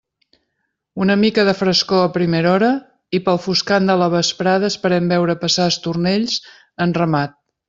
Una mica de frescor a primera hora, i pel foscant de la vesprada esperem veure passar estornells en ramat.